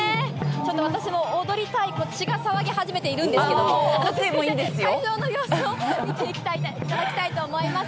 ちょっと私も踊りたいと血が騒ぎ始めているんですけれども、会場の様子を見ていただきたいと思います。